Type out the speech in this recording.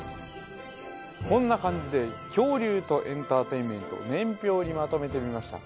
こんな感じで恐竜とエンターテインメントを年表にまとめてみました